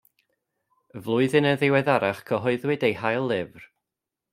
Flwyddyn yn ddiweddarach cyhoeddwyd ei hail lyfr.